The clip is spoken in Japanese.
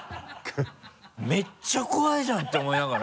めっちゃ怖いじゃん！って思いながら。